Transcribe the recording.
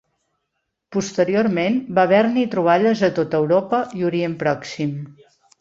Posteriorment, va haver-n'hi troballes a tot Europa i Orient Pròxim.